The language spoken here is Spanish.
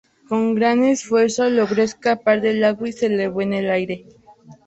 Con gran esfuerzo logró escapar del agua y se elevó en el aire.